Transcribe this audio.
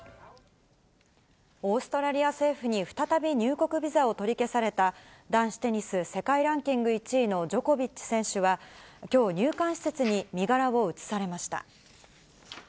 オーストラリア政府に再び入国ビザを取り消された、男子テニス世界ランキング１位のジョコビッチ選手は、きょう、入管施設に身柄を移されました。